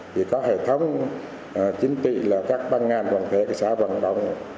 vì có hệ thống chính trị là các ban ngàn quản thể xã vận động